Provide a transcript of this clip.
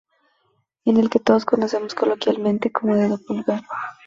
Es el que todos conocemos coloquialmente como "dedo pulgar".